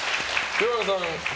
清原さん、○？